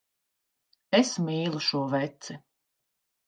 Es mīlu šo veci.